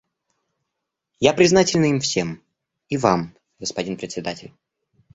Я признательна им всем, и Вам, господин Председатель.